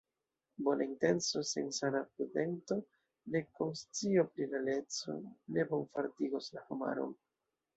Bona intenco sen sana prudento, nek konscio pri realeco, ne bonfartigos la homaron.